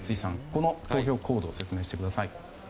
この投票行動の説明をしてください。